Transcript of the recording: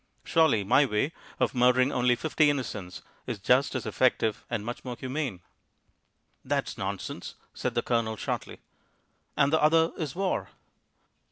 Surely my way of murdering only fifty innocents is just as effective and much more humane." "That's nonsense," said the Colonel shortly. "And the other is war."